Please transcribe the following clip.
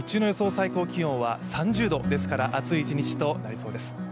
最高気温は３０度ですから暑い一日となりそうです。